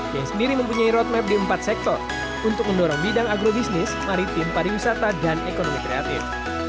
dia sendiri mempunyai roadmap di empat sektor untuk mendorong bidang agrobisnis maritim pariwisata dan ekonomi kreatif